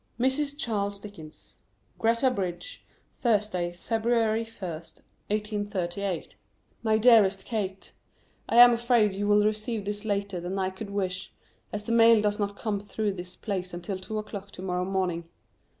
[Sidenote: Mrs. Charles Dickens.] GRETA BRIDGE, Thursday, Feb. 1st, 1838. MY DEAREST KATE, I am afraid you will receive this later than I could wish, as the mail does not come through this place until two o'clock to morrow morning.